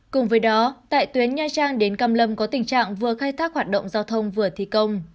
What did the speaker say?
cùng với đó tại tuyến nha trang đến cam lâm có tình trạng vừa khai thác hoạt động giao thông vừa thi công